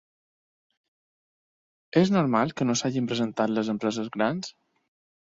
És normal que no s’hagin presentat les empreses grans?